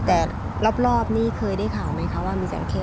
แต่รอบนี่เคยได้ข่าวไหมคะว่ามีแสงเค